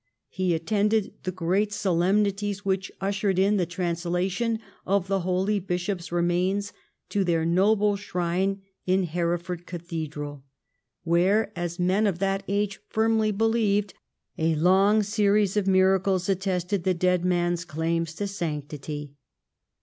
He attended the great solemnities which ushered in the translation of the holy bishop's remains to their noble shrine in Hereford Cathedral, where, as men of that age firmly believed, a long series of miracles attested the dead man's claims to sanctity.